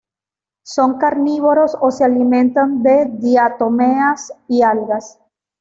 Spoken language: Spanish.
Son carnívoros o se alimentan de diatomeas y algas.